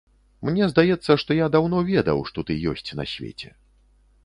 Мне здаецца, што я даўно ведаў, што ты ёсць на свеце.